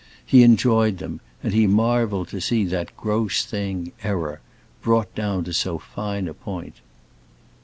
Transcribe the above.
He enjoyed them, and he marveled to see that gross thing, error, brought down to so fine a point.